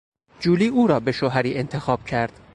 جولی او را به شوهری انتخاب کرد.